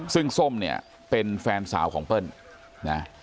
ซึ่งส้มเนี่ยเป็นแฟนสาวของเปิ้ลนะ